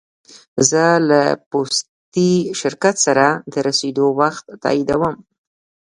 زه له پوستي شرکت سره د رسېدو وخت تاییدوم.